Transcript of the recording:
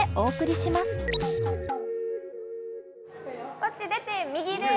こっち出て右です。